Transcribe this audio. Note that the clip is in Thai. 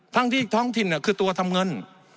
ทั้งที่ท้องถิ่นคือตัวทำเงิน